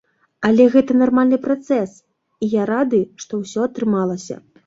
Але гэта нармальны працэс, і я рады, што ўсё атрымалася.